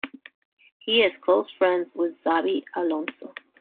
He is close friends with Xabi Alonso.